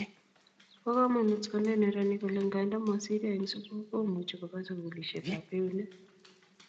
Bo komonut konai neranik kole nganda mosiryo eng sukul komuchi Koba sukulieskyap eunek